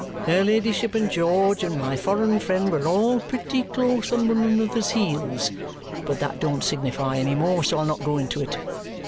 Her ladyship and George and my foreign friend were all pretty close on one another's heels. But that don't signify any more, so I'll not go into it.